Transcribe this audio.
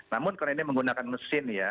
namun karena ini menggunakan mesin ya